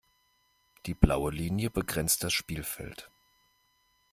Die blaue Linie begrenzt das Spielfeld.